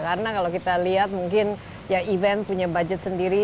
karena kalau kita lihat mungkin ya event punya budget sendiri